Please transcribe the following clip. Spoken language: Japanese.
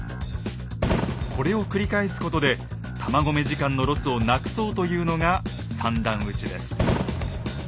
これを繰り返すことで弾込め時間のロスをなくそうというのが三段撃ちです。